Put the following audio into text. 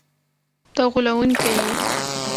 ته غولونکی یې!”